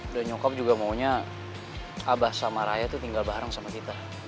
dan nyokap juga maunya abah sama raya tuh tinggal bareng sama kita